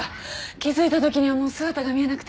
気づいた時にはもう姿が見えなくて。